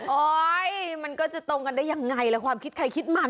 โอ๊ยมันก็จะตรงกันได้ยังไงล่ะความคิดใครคิดมัน